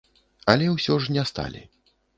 Але ўсё ж не сталі.